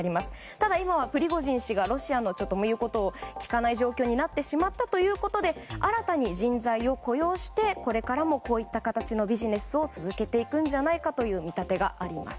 ただ、今はプリゴジン氏がロシアの言うことを聞かない状況になってしまったことで新たに人材を雇用してこれからもこういった形のビジネスを続けていくんじゃないかという見立てがあります。